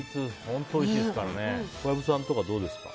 本当おいしいですからね。